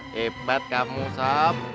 hebat kamu sam